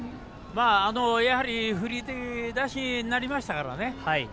振り出しになりましたからね。